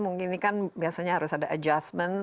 mungkin ini kan biasanya harus ada adjustment